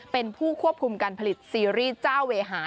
เป็นผู้ควบคุมการผลิตซีรีส์เจ้าเวหา